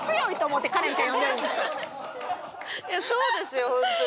そうですよホントに。